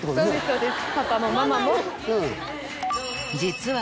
そうです